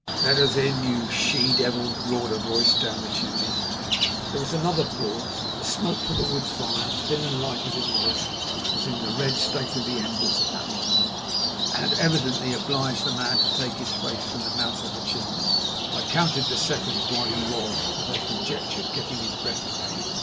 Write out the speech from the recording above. "Let us in, you she devil!" roared a voice down the chimney. There was another pause. The smoke from the wood fire, thin and light as it was in the red state of the embers at that moment, had evidently obliged the man to take his face from the mouth of the chimney. I counted the seconds while he was, as I conjectured, getting his breath again.